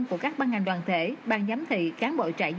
của phạm nhân